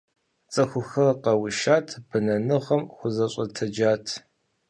ЦӀыхухэр къэушат, бэнэныгъэм хузэщӀэтэджат.